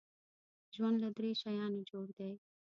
ژوند له دریو شیانو جوړ دی .